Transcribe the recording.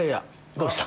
どうした？